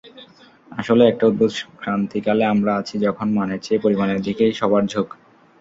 আসলেই একটা অদ্ভুত ক্রান্তিকালে আমরা আছি যখন মানের চেয়ে পরিমাণের দিকেই সবার ঝোঁক।